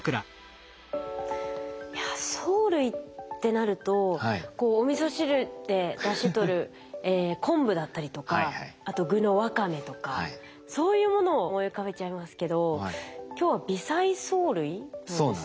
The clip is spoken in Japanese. いや藻類ってなるとおみそ汁でだし取る昆布だったりとかあと具のワカメとかそういうものを思い浮かべちゃいますけど今日は微細藻類なんですね。